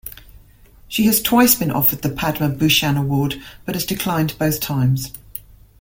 She has twice been offered the Padma Bhushan award, but has declined both times.